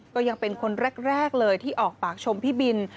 ก็ยังเป็นคนแรกเลยที่ออกปากชมพี่บิน